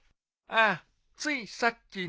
ああついさっきな。